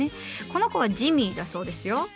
この子はジミーだそうですよ。